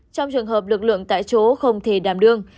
trong trường hợp lực lượng tại chỗ không thể đảm đương